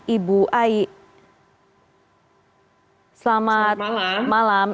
ibu ai selamat malam